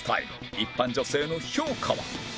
一般女性の評価は？